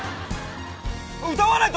歌わないと！